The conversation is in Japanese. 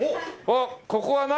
ここは何？